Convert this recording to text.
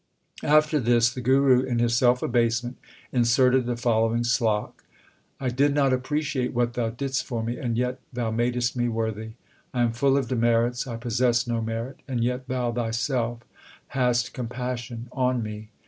After this the Guru in his self abasement inserted the following slok : I did not appreciate what Thou didst for me, and yet Thou madest me worthy. I am full of demerits ; I possess no merit, and yet Thou Thyself hast compassion on me.